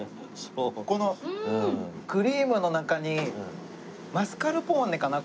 このクリームの中にマスカルポーネかな？